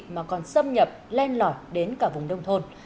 mà còn xâm nhập len lỏ đến cả vùng đông thôn